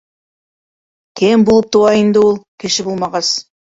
Кем булып тыуа инде ул, кеше булмағас?